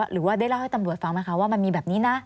หรือว่าได้เล่าให้ตำรวจฟังไหมคะว่ามันมีแบบนี้นะ